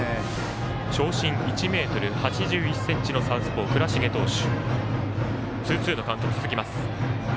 長身１ｍ８１ｃｍのサウスポー、倉重投手。